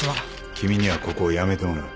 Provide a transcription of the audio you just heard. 君にはここを辞めてもらう。